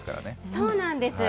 そうなんです。